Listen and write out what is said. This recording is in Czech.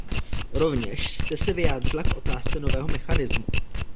Rovněž jste se vyjádřila k otázce nového mechanismu.